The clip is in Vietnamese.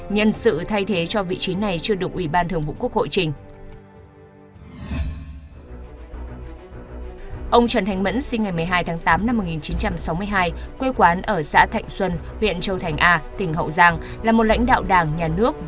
nhân sự thay thế cho vị trí này chưa được ủy ban thường vụ quốc hội trình